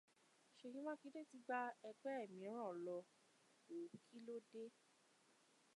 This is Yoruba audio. Ṣèyí Mákindé ti gba ẹgbẹ́ mìírà lọ o, kílódé?